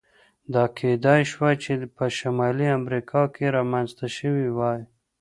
دا کېدای شوای چې په شمالي امریکا کې رامنځته شوی وای.